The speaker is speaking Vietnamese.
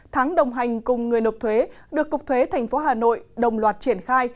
tháng đồng hành cùng người nộp thuế được cục thuế thành phố hà nội đồng loạt triển khai